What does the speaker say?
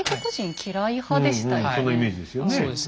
そんなイメージですよね。